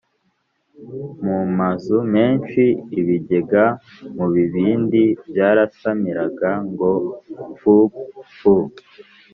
Mu mazu menshi ibigage mu bibindi byarasamiraga ngo pfupfu